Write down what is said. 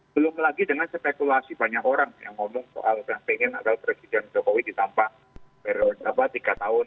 belum lagi dengan spekulasi banyak orang yang ngomong soal pengen agar presiden jokowi ditambah tiga tahun